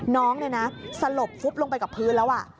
น้องเนี่ยนะสลบฟุบลงไปกับพื้นแล้ว